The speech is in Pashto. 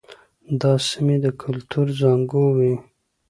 دا سیمې د کلتور زانګو وې.